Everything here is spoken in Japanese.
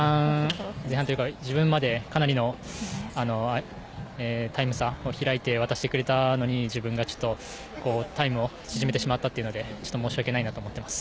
前半というか自分までにかなりのタイム差を開いて渡してくれたのに自分がタイムを縮めてしまったのでちょっと申し訳ないなと思っています。